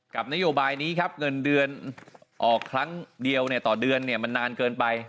นโยบายนี้ครับเงินเดือนออกครั้งเดียวต่อเดือนเนี่ยมันนานเกินไป